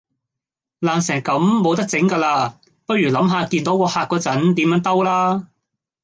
爛成咁冇得整架喇，不如諗下見到個客嗰陣點樣兜啦